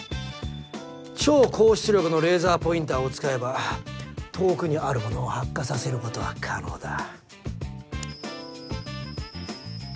超高出力のレーザーポインターを使えば遠くにあるものを発火させることは可能だ。